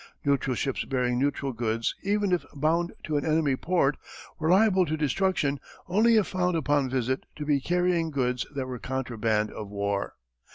Neutral ships bearing neutral goods, even if bound to an enemy port, were liable to destruction only if found upon visit to be carrying goods that were contraband of war.